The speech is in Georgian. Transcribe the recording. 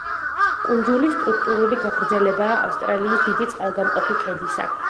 კუნძული სტრუქტურული გაგრძელებაა ავსტრალიის დიდი წყალგამყოფი ქედისა.